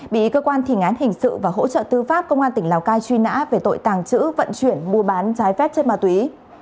bị cơ quan thình án hình sự và hỗ trợ tư pháp công an tỉnh lào cai truy nã về tội tàng trữ vận chuyển mua bán trái phép chất ma túy